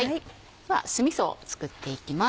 では酢みそを作っていきます。